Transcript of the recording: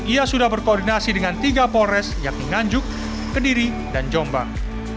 ia sudah berkoordinasi dengan tiga polres yakni nganjuk kediri dan jombang